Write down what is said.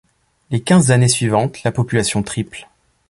Les quinze années suivantes, la population triple.